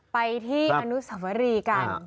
ไปที่อนุสวรีกัน